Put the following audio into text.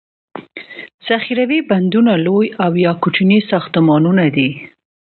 ذخیروي بندونه لوي او یا کوچني ساختمانونه دي.